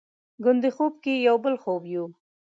ګوندې خوب کې یو بل خوب یو؟